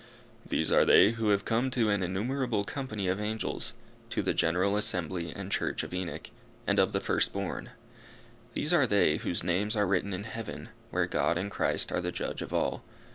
These are they who have come to an innumerable company of angels, to the general assembly and Church of Enoch, and of the first born. These are they whose names are written in heaven, where God and Christ are the judge of all.